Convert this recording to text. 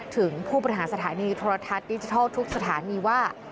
ถึงผู้บริหารสถานีโทรทัศน์ดิจิทัลทุกสถานีว่า